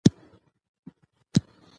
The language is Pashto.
د تراشلو هڅه کړې: